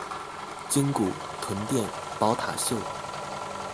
鯨骨、臀墊、寶塔袖